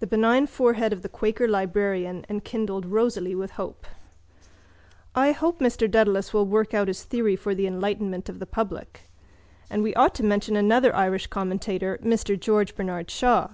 The benign forehead of the quaker librarian enkindled rosily with hope. —I hope Mr Dedalus will work out his theory for the enlightenment of the public. And we ought to mention another Irish commentator, Mr George Bernard Shaw.